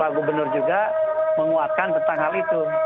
nah ini pak gubernur juga menguatkan tentang hal itu